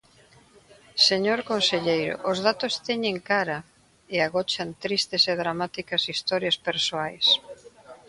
Señor conselleiro, os datos teñen cara e agochan tristes e dramáticas historias persoais.